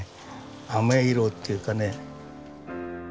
あめ色っていうかね。